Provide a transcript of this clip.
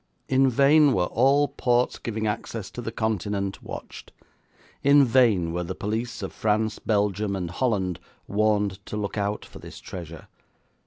In vain were all ports giving access to the Continent watched; in vain were the police of France, Belgium, and Holland warned to look out for this treasure.